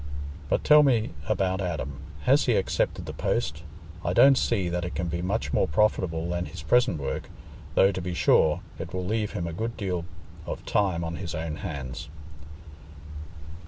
But tell me about Adam. Has he accepted the post? I don't see that it can be much more profitable than his present work, though, to be sure, it will leave him a good deal of time on his own hands.